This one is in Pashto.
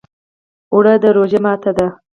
اوړه د روژې ماته ده